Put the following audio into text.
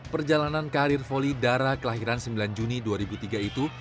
perjalanan karir voli dara kelahiran sembilan juni dua ribu tiga itu